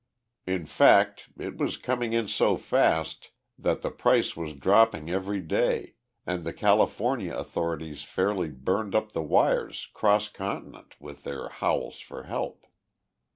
In fact, it was coming in so fast that the price was dropping every day and the California authorities fairly burned up the wires 'cross continent with their howls for help.